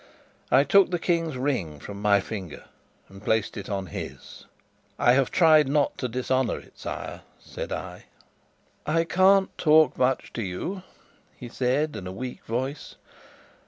I took the King's ring from my finger and placed it on his. "I have tried not to dishonour it, sire," said I. "I can't talk much to you," he said, in a weak voice.